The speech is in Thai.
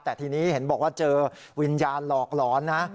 แต่ทีนี้เห็นบอกว่าเจอวิญญาณหลอกหลอนนะ